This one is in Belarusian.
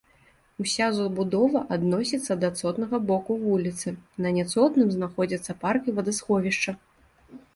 Уся забудова адносіцца да цотнага боку вуліцы, на няцотным знаходзяцца парк і вадасховішча.